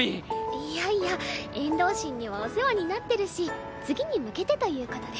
いやいや遠藤神にはお世話になってるし次に向けてということで。